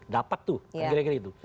dapat tuh kira kira gitu